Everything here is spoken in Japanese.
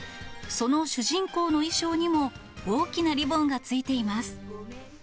その主人公の衣装にも大きなリボンがついています。